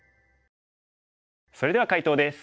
それでは解答です。